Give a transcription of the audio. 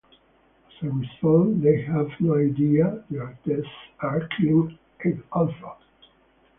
As a result, they have no idea their tests are killing Althor.